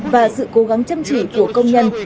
và sự cố gắng chăm chỉ của công nhân